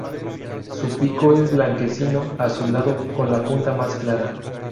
Su pico es blanquecino azulado con la punta más clara.